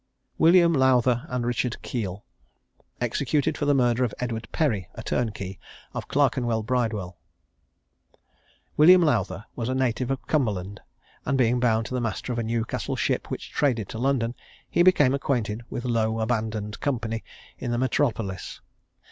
WILLIAM LOWTHER AND RICHARD KEELE. EXECUTED FOR THE MURDER OF EDWARD PERRY, A TURNKEY OF CLERKENWELL BRIDEWELL. William Lowther was a native of Cumberland, and being bound to the master of a Newcastle ship which traded to London, he became acquainted with low abandoned company in the metropolis.